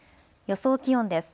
予想気温です。